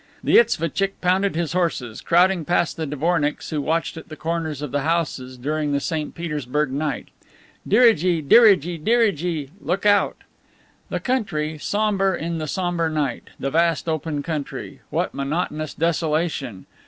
The isvotchick pounded his horses, crowding past the dvornicks who watched at the corners of the houses during the St. Petersburg night. "Dirigi! dirigi! dirigi! (Look out!)" The country, somber in the somber night. The vast open country. What monotonous desolation!